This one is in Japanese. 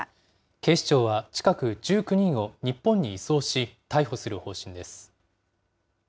警視庁は近く、１９人を日本に移送し、逮捕する方針です。